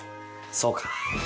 そうか。